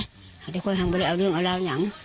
อยู่ก่อนแม่โมงก็เลยล้าวอย่าง